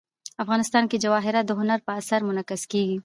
افغانستان کې جواهرات د هنر په اثار کې منعکس کېږي.